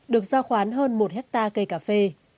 được giao khoán hơn một hectare cây cà phê